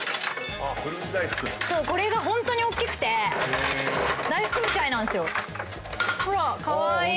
これがホントにおっきくて大福みたいなんすよ。ほらっ。カワイイ。